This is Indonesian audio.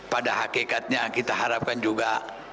pada hakikatnya kita harapkan juga